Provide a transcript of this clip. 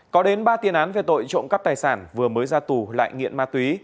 có đến ba tiền án về tội trộm cắp tài sản vừa mới ra tù lại nghiện ma túy